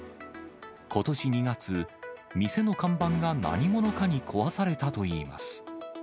ことし２月、店の看板が何者かに壊されたといいます。